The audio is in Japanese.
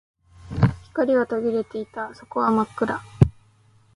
光は途切れていた。底は真っ暗。